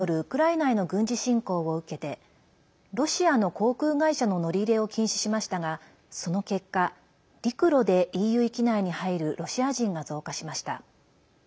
ＥＵはロシアによるウクライナへの軍事侵攻を受けてロシアの航空会社の乗り入れを禁止しましたがその結果、陸路でＥＵ域内に入るロシア人が増加しました。